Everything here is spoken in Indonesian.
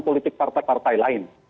politik partai partai lain